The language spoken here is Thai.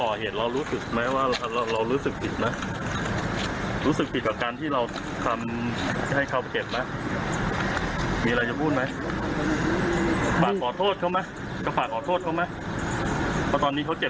โอ้โหเขาไม่สะทกสถานเลย